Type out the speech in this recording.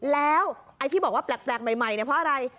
แล้วไอ้ที่บอกว่าแปลกใหม่เนี่ยเพราะอะไร